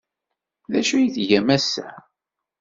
D acu ay tgam ass-a?